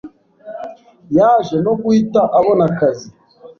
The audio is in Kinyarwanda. Yaje no guhita abona kazi